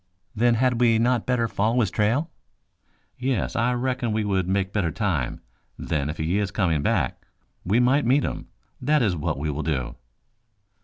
"Then had we not better follow his trail?" "Yes, I reckon we would make better time. Then, if he is coming back, we might meet him. That is what we will do."